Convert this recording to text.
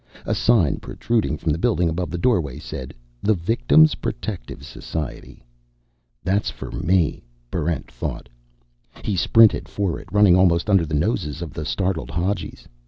A sign protruding from the building above the doorway said THE VICTIM'S PROTECTIVE SOCIETY. That's for me, Barrent thought. He sprinted for it, running almost under the noses of the startled Hadjis.